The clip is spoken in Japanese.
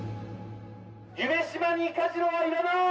夢洲にカジノはいらない！